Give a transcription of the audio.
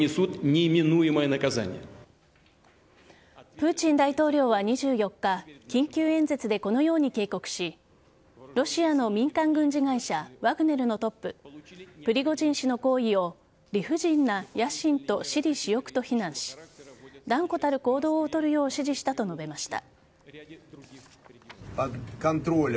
プーチン大統領は２４日緊急演説でこのように警告しロシアの民間軍事会社ワグネルのトッププリゴジン氏の行為を理不尽な野心と私利私欲と非難し断固たる行動を取るよう指示したと述べました。